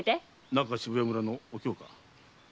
中渋谷村のお杏か。